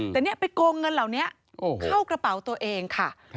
แต่เนี่ยไปโกงเงินเหล่านี้เข้ากระเป๋าตัวเองค่ะ